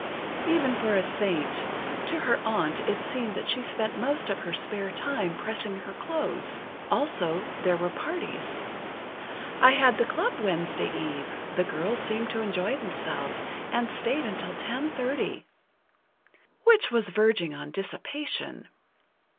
Even for a saint; to her aunt it seemed that she spent most of her spare time pressing her clothes. Also, there were parties: I had the club Wednesday eve—the girls seemed to enjoy themselves and stayed until 10:30. Which was verging on dissipation.